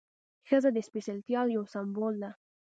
ښځه د سپېڅلتیا یو سمبول ده.